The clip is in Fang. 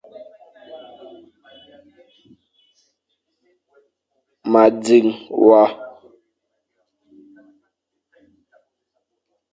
Ma dzing wa.